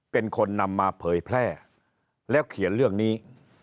เป็นคนนำมาเผยแพร่แล้วเขียนเรื่องนี้